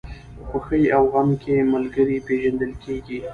په خوښۍ او غم کې ملګری پېژندل کېږي.